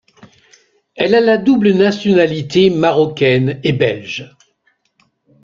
Elle a la double nationalité marocaine et belge.